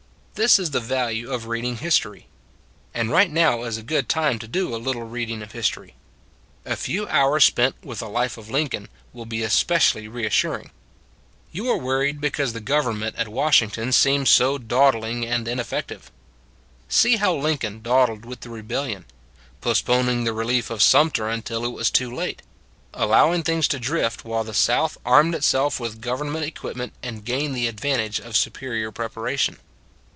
This is the value of reading history. And right now is a good time to do a little 158 It s a Good Old World reading of history; a few hours spent with a Life of Lincoln will be especially reas suring. You are worried because the Govern ment at Washington seems so dawdling and ineffective. See how Lincoln dawdled with the rebel lion: postponing the relief of Sumter un til it was too late; allowing things to drift while the South armed itself with govern ment equipment and gained the advantage of superior preparation.